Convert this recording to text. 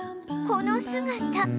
この姿